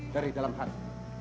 dari dalam hati